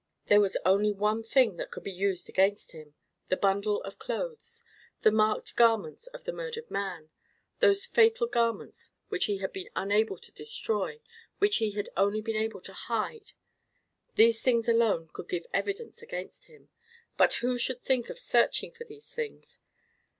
There was only one thing that could be used against him—the bundle of clothes, the marked garments of the murdered man—those fatal garments which he had been unable to destroy, which he had only been able to hide. These things alone could give evidence against him; but who should think of searching for these things?